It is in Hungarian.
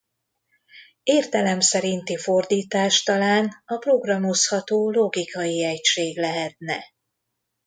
Értelem szerinti fordítás talán a programozható logikai egység lehetne.